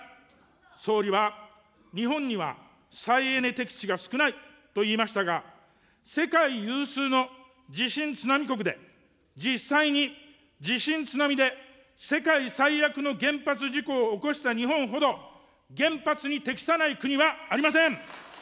総理は日本には再エネ適地が少ないと言いましたが、世界有数の地震津波国で、実際に地震津波で世界最悪の原発事故を起こした日本ほど、原発に適さない国はありません。